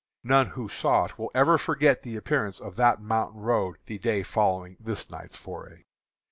None who saw it will ever forget the appearance of that mountain road the day following this night's foray.